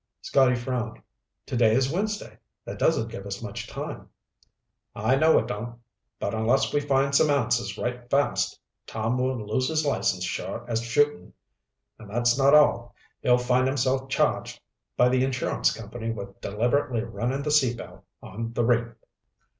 Scotty frowned. "Today is Wednesday. That doesn't give us much time." "I know it don't. But unless we find some answers right fast, Tom will lose his license sure as shooting. And that's not all. He'll find himself charged by the insurance company with deliberately running the Sea Belle on the reef."